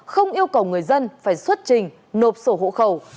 không yêu cầu người dân phải xuất trình nộp sổ hộ khẩu